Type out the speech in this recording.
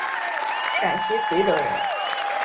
陕西绥德人。